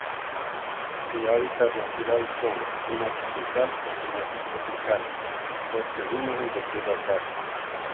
Su hábitat natural son: Clima tropical o Clima subtropical, bosques húmedos de tierras bajas.